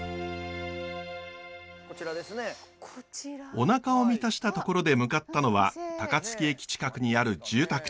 おなかを満たしたところで向かったのは高槻駅近くにある住宅地。